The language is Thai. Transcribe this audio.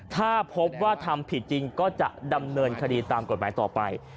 ถ้าพบว่าทำผิดจริงก็จะดำเนินคดีตามกฎหมายต่อไป